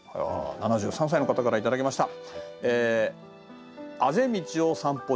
７３歳の方から頂きました。